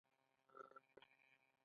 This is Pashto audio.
د نجونو تعلیم د ټولنې برابري راولي.